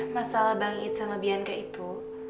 masalah bang it sama bianca itu